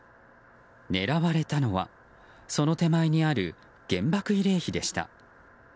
狙われたのはその手前にある原爆慰霊碑でした。